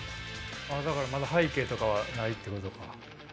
だからまだ背景とかはないってことか。